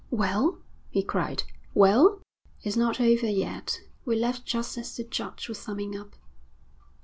'Well?' he cried. 'Well?' 'It's not over yet. We left just as the judge was summing up.'